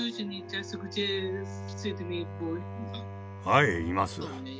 はいいます。